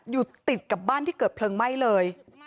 อยู่ติดกับบ้านที่เกิดเพลิงไหม้เลย